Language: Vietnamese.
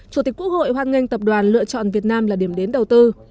chủ tịch quốc hội hoan nghênh tập đoàn lựa chọn việt nam là điểm đến đầu tư